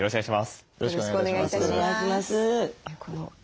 よろしくお願いします。